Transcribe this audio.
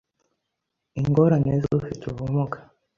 Ingorane z’ufite ubumuga